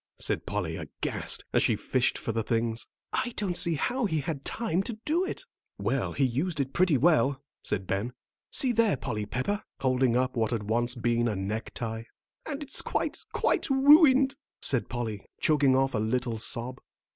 said Polly, aghast, as they fished for the things. "I don't see how he had time to do it." "Well, he used it pretty well," said Ben. "See there, Polly Pepper," holding up what had once been a necktie. "And it's quite, quite ruined," said Polly, choking off a little sob.